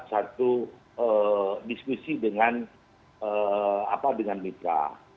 satu diskusi dengan mika